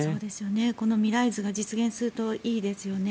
この未来図が実現するといいですね。